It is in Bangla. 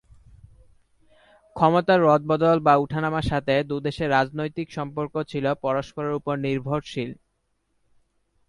ক্ষমতার রদবদল বা উঠানামার সাথে দু দেশের রাজনৈতিক সম্পর্ক ছিল পরস্পরের ওপর নির্ভরশীল।